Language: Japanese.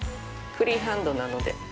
フリーハンドなので。